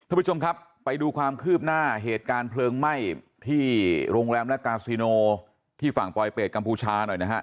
ท่านผู้ชมครับไปดูความคืบหน้าเหตุการณ์เพลิงไหม้ที่โรงแรมและกาซิโนที่ฝั่งปลอยเปรตกัมพูชาหน่อยนะฮะ